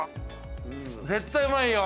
・絶対うまいよ。